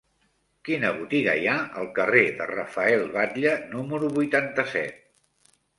Quina botiga hi ha al carrer de Rafael Batlle número vuitanta-set?